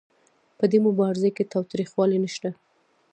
په دې مبارزه کې تاوتریخوالی نشته.